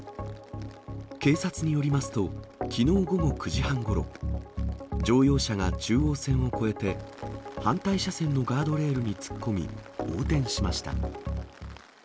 警察によりますと、きのう午後９時半ごろ、乗用車が中央線を越えて、反対車線のガードレールに突っ込み、横転しました。